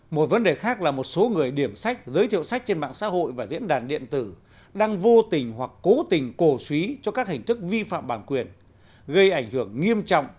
một vấn đề khác là một số người điểm sách giới thiệu sách trên mạng xã hội và diễn đàn điện tử đang vô tình hoặc cố tình cổ suý cho các hình thức vi phạm bản quyền gây ảnh hưởng nghiêm trọng